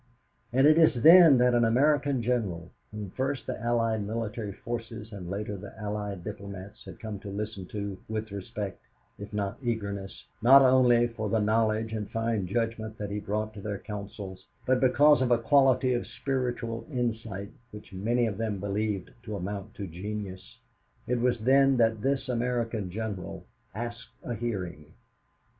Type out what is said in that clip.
And it is then that an American general, whom first the Allied military forces and later the Allied diplomats had come to listen to with respect, if not eagerness, not only for the knowledge and fine judgment that he brought to their councils but because of a quality of spiritual insight which many of them believed to amount to genius it was then that this American general asked a hearing.